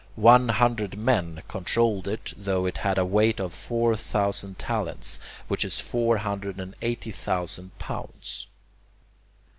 One hundred men controlled it, though it had a weight of four thousand talents, which is four hundred and eighty thousand pounds.